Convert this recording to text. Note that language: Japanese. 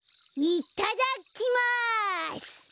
いただきます。